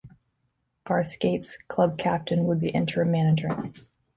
Garth Scates, Club captain would be interim manager.